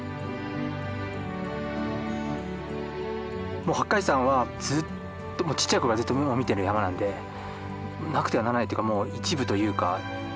もう八海山はちっちゃい頃からずっと見てる山なんでなくてはならないっていうかもう一部というか。